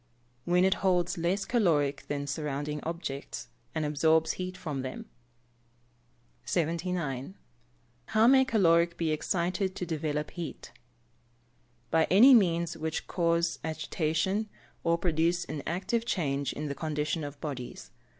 _ When it holds less caloric than surrounding objects, and absorbs heat from them. 79. How may caloric be excited to develop heat? By any means which cause agitation, or produce an active change in the condition of bodies.